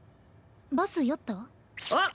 バス酔った？あっ？